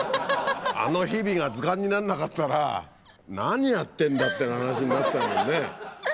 あの日々が図鑑になんなかったら何やってんだってな話になっちゃうもんね。